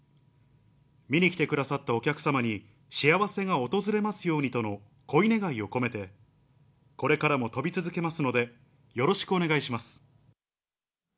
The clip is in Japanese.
見に来てくださったお客様に、幸せが訪れますようにとのこいねがいを込めて、これからもとび続けますので、よろしくお願いします。